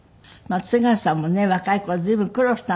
津川さんもね若い頃随分苦労したんですよ。